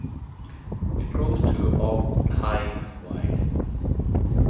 It grows to about high and wide.